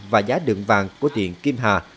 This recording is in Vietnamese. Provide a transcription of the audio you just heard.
và giá đựng vàng của tiện kim hà